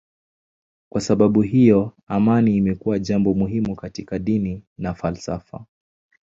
Kwa sababu hiyo amani imekuwa jambo muhimu katika dini na falsafa.